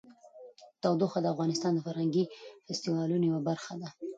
تودوخه د افغانستان د فرهنګي فستیوالونو یوه برخه ده.